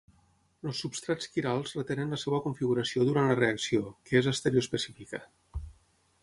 Els substrats quirals retenen la seva configuració durant la reacció, que és estereoespecífica.